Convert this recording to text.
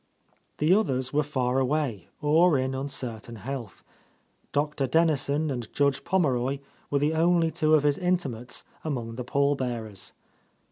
The others were far away or in uncertain health. Doctor Dennison and Judge Pommeroy were the only two of his intimates among the pallbearers.